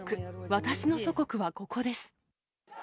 私の祖国はここです。